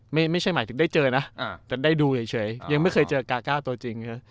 ไม่ใช่หมายถึงได้เจอนะแต่ได้ดูเฉยยังไม่เคยเจอกาก้าตัวจริง